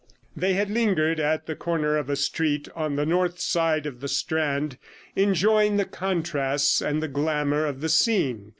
85 They had lingered at the corner of a street on the north side of the Strand, enjoying the contrasts and the glamour of the scene.